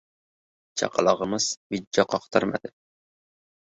Chaqalog‘imiz mijja qoqtirmadi.